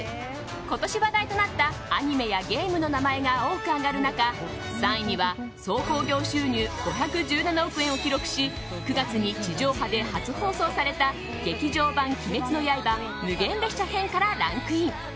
今年話題となったアニメやゲームの名前が多く挙がる中、３位には総興行収入５１７億円を記録し９月に地上波で初放送された「劇場版“鬼滅の刃無限列車編」からランクイン。